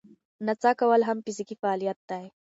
نڅا کول هم فزیکي فعالیت دی.